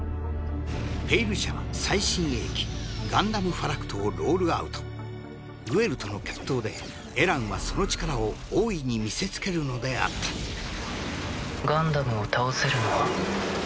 「ペイル社」は最新鋭機ガンダム・ファラクトをロールアウトグエルとの決闘でエランはその力を大いに見せつけるのであったガンダムを倒せるのは。